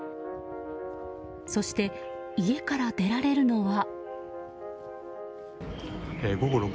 そして、家から出られるのは。